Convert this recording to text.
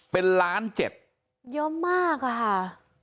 เป็นล้านเจ็ดเยอะมากอะค่ะ